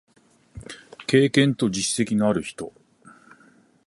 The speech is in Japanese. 経験と実績のある人